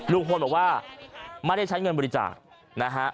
ลุงพลบอกว่าไม่ได้ใช้เงินบริจาคนะฮะ